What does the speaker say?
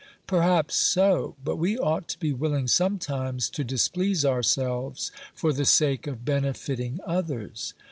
"Perhaps so; but we ought to be willing sometimes to displease ourselves, for the sake of benefiting others.